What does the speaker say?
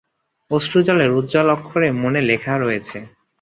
অশ্রুজলের উজ্জ্বল অক্ষরে মনে লেখা রয়েছে।